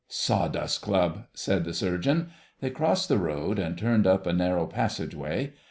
"Sawdust Club!" said the Surgeon. They crossed the road and turned up a narrow passage way.